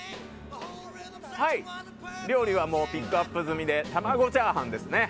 料理はピックアップ済みで卵チャーハンですね。